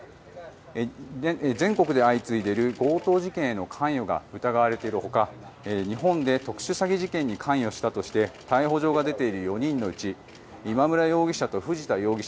全国で相次いでいる強盗事件への関与が疑われているほか日本で特殊詐欺事件に関与したとして逮捕状が出ている４人のうち今村容疑者と藤田容疑者